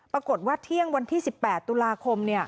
ปรากฏว่าเที่ยงวันที่๑๘ตุลาคม